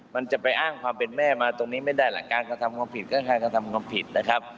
มันจะไปอ้างความเป็นแม่มาตรงนี้ไม่ได้หลังการกระทำความผิดก็คือการกระทำความผิดนะครับ